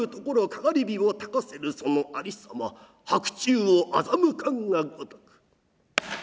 かがり火をたかせるそのありさま白昼を欺かんがごとく。